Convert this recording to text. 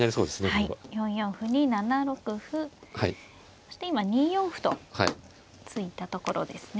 ４四歩に７六歩そして今２四歩と突いたところですね。